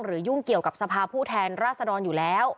ยุ่งเกี่ยวกับสภาพผู้แทนราษฎรอยู่แล้ว